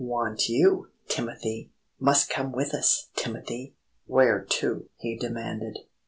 "Want you, Timothy!" "Must come with us, Timothy!" "Where to?" he demanded.